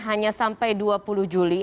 hanya sampai dua puluh juli